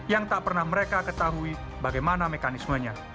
yang tak pernah mereka ketahui bagaimana mekanismenya